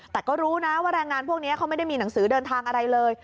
แต่ก็รู้นะว่าแรงงานพวกนี้เขาไม่ได้มีหนังสือเดินทางอะไรเลย